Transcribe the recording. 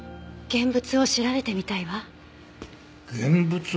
現物？